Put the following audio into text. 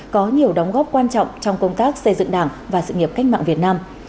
có nhiều đóng góp quan trọng trong công tác xây dựng đảng và sự nghiệp cách mạng việt nam